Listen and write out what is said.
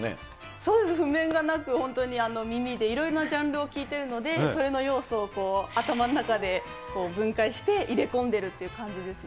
そうです、譜面がなく、本当に耳でいろいろなジャンルを聴いてるので、それの要素を頭の中で分解して、入れ込んでるって感じですね。